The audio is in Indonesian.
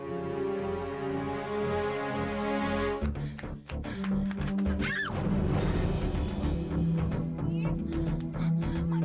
aku harus sepecekan dulu berapa